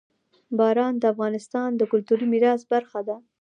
باران د افغانستان د کلتوري میراث برخه ده.